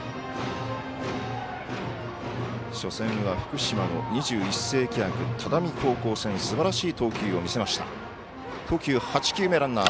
初戦は福島の２１世紀枠只見高校戦すばらしい投球を見せました。